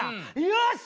よし！